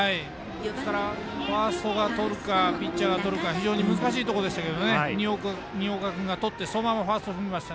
ですから、ファーストがとるかピッチャーがとるか非常に難しいところでしたけど新岡君がとってそのままファーストを踏みました。